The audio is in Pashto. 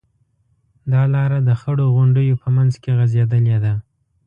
دا لاره د خړو غونډیو په منځ کې غځېدلې ده.